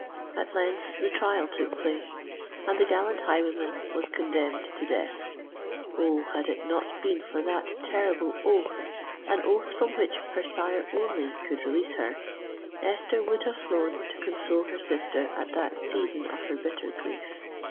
At length the trial took place—and the gallant highwayman was condemned to death. Oh! had it not been for that terrible oath—an oath from which her sire only could release her—Esther would have flown to console her sister at that season of her bitter grief.